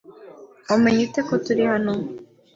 Wamenye ute ko turi hano?